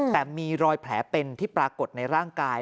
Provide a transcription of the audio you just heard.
แต่มีรอยแผลเป็นที่ปรากฏในร่างกาย